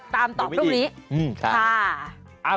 ตามตอบทุกวันนี้ค่ะ